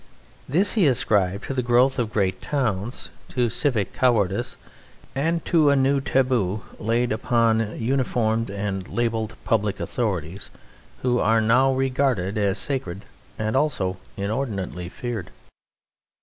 This he ascribed to the growth of great towns, to civic cowardice, and to a new taboo laid upon uniformed and labelled public authorities, who are now regarded as sacred, and also inordinately feared.